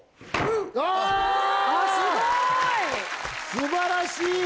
素晴らしい！